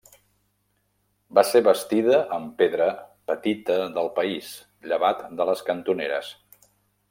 Va ser bastida amb pedra petita del país, llevat de les cantoneres.